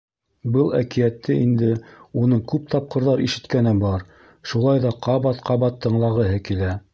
Был әкиәтте инде уның күп тапҡырҙар ишеткәне бар, шулай ҙа ҡабат-ҡабат тыңлағыһы килә.